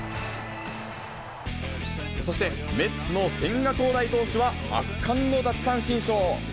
そして、メッツの千賀滉大投手は圧巻の奪三振ショー。